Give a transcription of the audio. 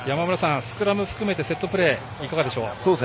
スクラム含めてセットプレー、いかがでしょう。